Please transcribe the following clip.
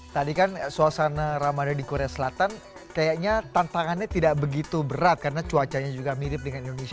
tadi kan suasana ramadan di korea selatan kayaknya tantangannya tidak begitu berat karena cuacanya juga mirip dengan indonesia